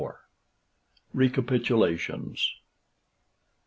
RECAPITULATIONS.